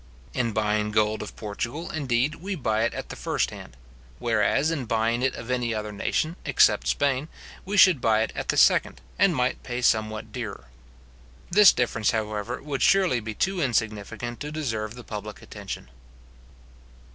In buying gold of Portugal, indeed, we buy it at the first hand; whereas, in buying it of any other nation, except Spain, we should buy it at the second, and might pay somewhat dearer. This difference, however, would surely be too insignificant to deserve the public attention.